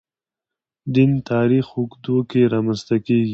دین تاریخ اوږدو کې رامنځته کېږي.